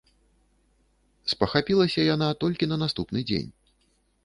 Спахапілася яна толькі на наступны дзень.